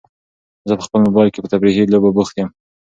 زه په خپل موبایل کې په تفریحي لوبو بوخت یم.